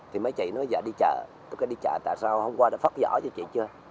thì mấy chị nói dạ đi chợ tôi đi chợ tại sao hôm qua đã phát giỏ cho chị chưa